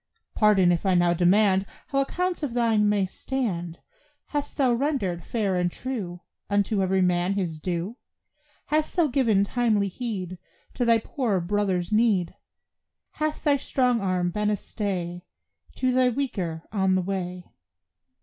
Pardon if I now demand How accounts of thine may stand; Hast thou rendered, fair and true, Unto every man his due? Hast thou given timely heed To thy poorer brother's need? Hath thy strong arm been a stay To the weaker on the way?